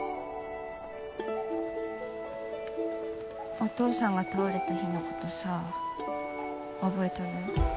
お父さんが倒れた日のことさ覚えとる？